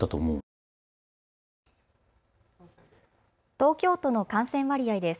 東京都の感染割合です。